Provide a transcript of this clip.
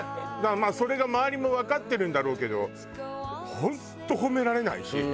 だからまあそれが周りもわかってるんだろうけど本当褒められないし。